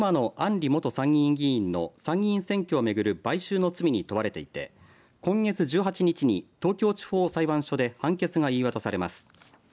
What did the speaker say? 里元参議院議員の参議院選挙をめぐる買収の罪に問われていて今月１８日に東京地方裁判所で判決が言い渡されます。